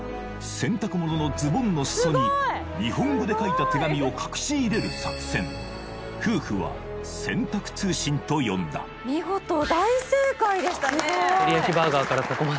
洗濯物のズボンのすそに日本語で書いた手紙を隠し入れる作戦夫婦は洗濯通信と呼んだ見事大正解でしたね